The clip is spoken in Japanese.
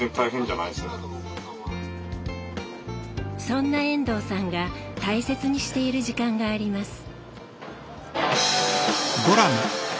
そんな遠藤さんが大切にしている時間があります。